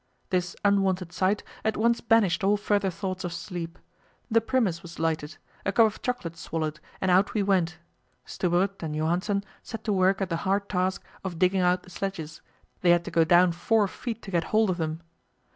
This unwonted sight at once banished all further thoughts of sleep; the Primus was lighted, a cup of chocolate swallowed, and out we went. Stubberud and Johansen set to work at the hard task of digging out the sledges; they had to go down four feet to get hold of them.